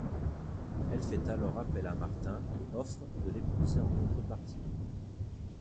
Elle fait alors appel à Martin, et offre de l'épouser en contrepartie.